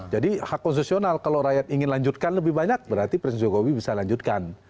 jadi hak konsesional kalau rakyat ingin lanjutkan lebih banyak berarti presiden jokowi bisa lanjutkan